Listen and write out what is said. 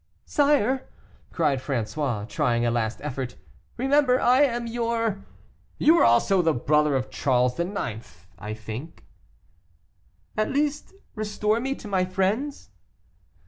"Sire," cried François, trying a last effort, "remember I am your " "You were also the brother of Charles IX., I think." "At least restore me to my friends."